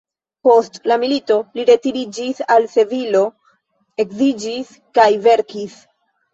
Post la milito li retiriĝis al Sevilo, edziĝis kaj verkis.